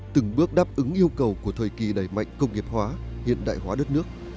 từng bước đáp ứng yêu cầu của thời kỳ đẩy mạnh công nghiệp hóa hiện đại hóa đất nước